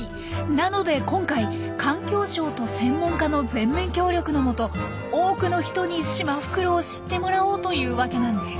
なので今回環境省と専門家の全面協力のもと多くの人にシマフクロウを知ってもらおうというわけなんです。